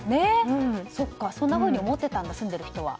そんなふうに思ってたんだ住んでた人は。